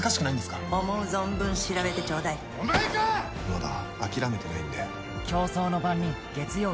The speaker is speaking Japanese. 「まだ諦めてないんで」